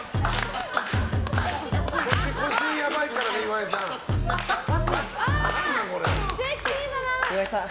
腰やばいからね、岩井さん。